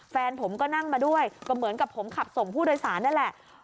แฟนผมก็นั่งมาด้วยก็เหมือนกับผมขับส่งผู้โดยสารนั่นแหละ